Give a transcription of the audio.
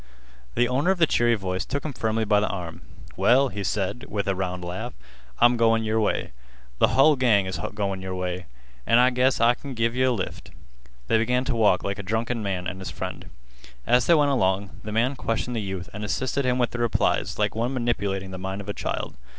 The owner of the cheery voice took him firmly by the arm. "Well," he said, with a round laugh, "I'm goin' your way. Th' hull gang is goin' your way. An' I guess I kin give yeh a lift." They began to walk like a drunken man and his friend. As they went along, the man questioned the youth and assisted him with the replies like one manipulating the mind of a child.